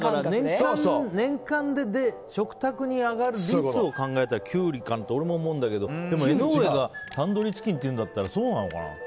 年間で食卓に上がる率を考えたらキュウリかなと俺も思うけどでも江上がタンドリーチキンって言うんだったらそうなのかな。